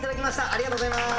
ありがとうございます。